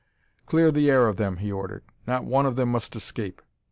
"Clear the air of them!" he ordered. "Not one of them must escape!"